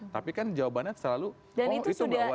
tapi kan jawabannya selalu oh itu nggak wajib